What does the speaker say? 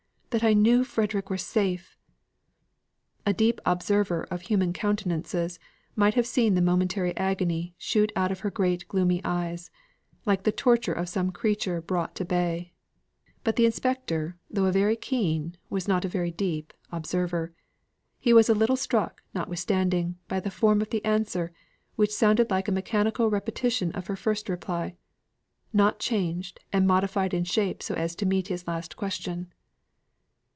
that I knew Frederick were safe!" A deep observer of human countenances might have seen the momentary agony shoot out of her great gloomy eyes, like the torture of some creature brought to bay. But the inspector though a very keen, was not a very deep observer. He was a little struck, notwithstanding, by the form of the answer, which sounded like a mechanical repetition of her first reply not changed and modified in shape so as to meet his last question.